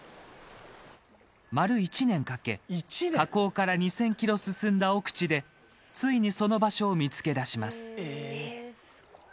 丸１年かけ、河口から２０００ｋｍ進んだ奥地でついにその場所を見つけ出します。